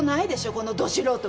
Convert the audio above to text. このど素人が。